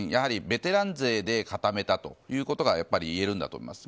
ベテラン勢で固めたということがいえるんだと思います。